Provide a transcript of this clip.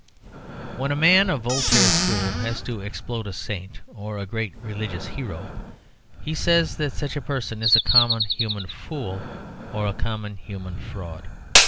When a man of Voltaire's school has to explode a saint or a great religious hero, he says that such a person is a common human fool, or a common human fraud.